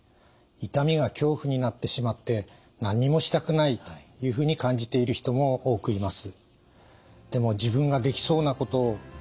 痛みが恐怖になってしまって何にもしたくないというふうに感じている人も多くいます。